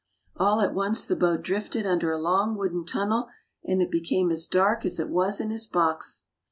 All at once the boat drifted under a long wooden tunnel, and it became as dark as it was in his box.